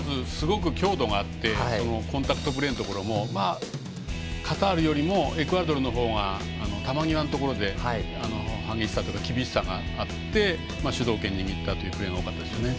強度があってコンタクトプレーもカタールよりもエクアドルの方が球際のところで激しさ、厳しさがあって主導権を握ったというプレーが多かったですね。